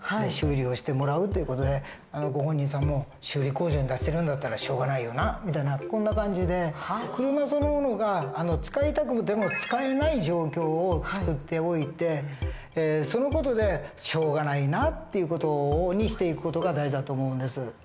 修理をしてもらうという事でご本人さんも「修理工場に出してるんだったらしょうがないよな」みたいなこんな感じで車そのものが使いたくても使えない状況を作っておいてその事でしょうがないなって事にしていく事が大事だと思うんです。